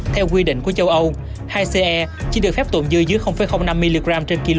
theo quy định của châu âu hai ce chỉ được phép tụng dư dưới năm mg trên một kg